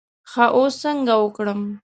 ښه اوس څنګه وکړم.